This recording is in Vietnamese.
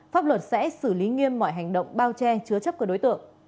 pháp luật sẽ xử lý nghiêm mọi hành động bao che chứa chấp các đối tượng